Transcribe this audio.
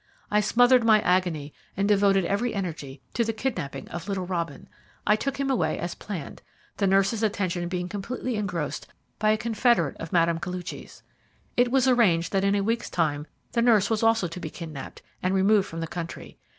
I smothered my agony and devoted every energy to the kidnapping of little Robin. I took him away as planned, the nurse's attention being completely engrossed by a confederate of Mme. Koluchy's. It was arranged that in a week's time the nurse was also to be kidnapped, and removed from the country.